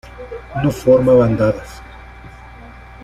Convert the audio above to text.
No forma bandadas.